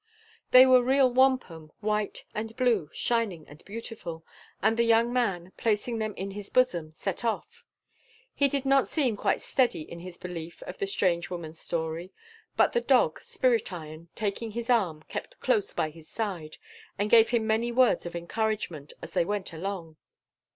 They were real wampum, white and blue, shining and beautiful; and the young man, placing them in his bosom, set off. He did not seem quite steady in his belief of the strange woman's story. But the dog, Spirit Iron, taking his arm, kept close by his side and gave him many words of encouragement as they went along.